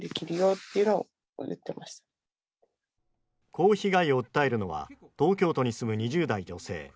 こう被害を訴えるのは東京都に住む２０代女性。